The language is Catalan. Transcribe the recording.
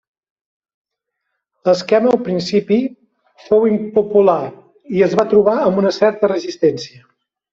L'esquema al principi fou impopular i es va trobar amb certa resistència.